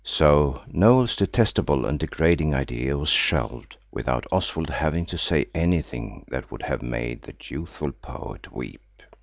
So Noël's detestable and degrading idea was shelved without Oswald having to say anything that would have made the youthful poet weep.